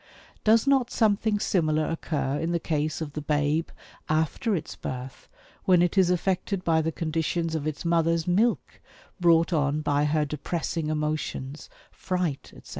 Does not something similar occur in the case of the babe, after its birth, when it is affected by the conditions of its mother's milk brought on by her depressing emotions, fright, etc.?